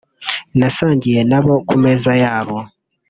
nasangiye nabo ku meza yabo